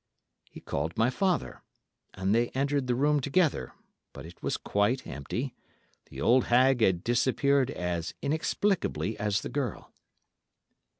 He called my father, and they entered the room together; but it was quite empty, the old hag had disappeared as inexplicably as the girl.